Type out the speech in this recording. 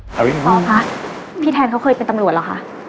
หมอคะพี่แทนเขาเคยเป็นตำรวจเหรอคะ